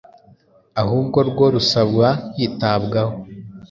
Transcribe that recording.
ahubwo rwo rusaba kwitabwaho